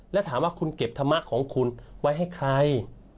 แล้วถามว่าคุณเก็บธรรมะของคุณไว้ให้ใคร